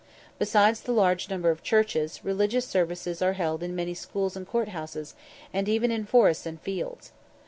Besides the large number of churches, religious services are held in many schools and courthouses, and even in forests and fields.